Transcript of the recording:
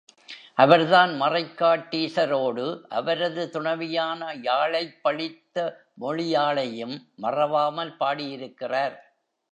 அவர்தான் மறைக்காட்டீசரோடு அவரது துணைவியான யாழைப் பழித்த மொழியாளையும் மறவாமல் பாடியிருக்கிறார்.